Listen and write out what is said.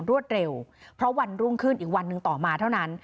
รวดเร็วเพราะวันรุ่งขึ้นอีกวันหนึ่งต่อมาเท่านั้น